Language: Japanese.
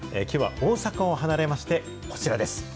きょうは大阪を離れまして、こちらです。